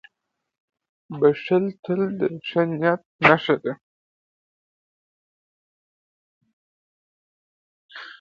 • بښل تل د ښه نیت نښه ده.